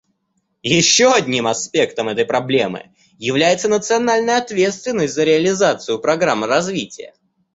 Еще одним аспектом этой проблемы является национальная ответственность за реализацию программ развития.